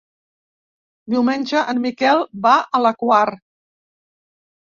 Diumenge en Miquel va a la Quar.